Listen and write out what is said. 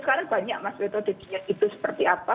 sekarang banyak mas reto de gien itu seperti apa